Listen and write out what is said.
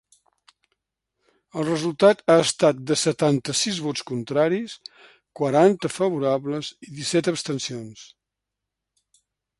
El resultat ha estat de setanta-sis vots contraris, quaranta favorables i disset abstencions.